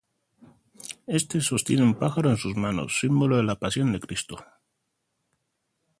Este sostiene un pájaro en sus manos, símbolo de la Pasión de Cristo.